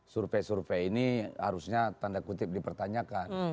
survei survei ini harusnya tanda kutip dipertanyakan